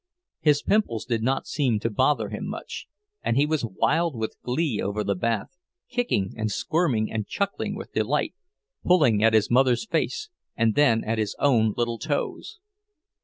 His pimples did not seem to bother him much, and he was wild with glee over the bath, kicking and squirming and chuckling with delight, pulling at his mother's face and then at his own little toes.